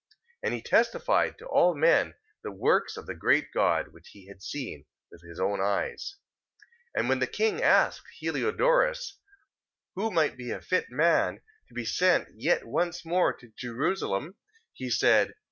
3:36. And he testified to all men the works of the great God, which he had seen with his own eyes. 3:37. And when the king asked Heliodorus, who might be a fit man to be sent yet once more to Jerusalem, he said: 3:38.